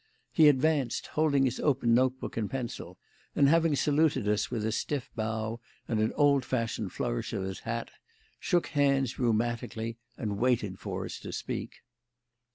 He advanced, holding his open note book and pencil, and having saluted us with a stiff bow and an old fashioned flourish of his hat, shook hands rheumatically and waited for us to speak.